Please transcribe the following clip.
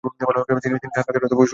তিনি ঠান্ডার কারণে অসুস্থতায় ভুগেছেন।